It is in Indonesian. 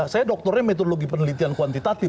saya doktornya metodologi penelitian kuantitatif